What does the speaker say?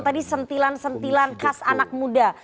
tadi sentilan sentilan khas anak muda